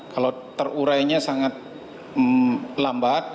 kalau terurainya sangat lambat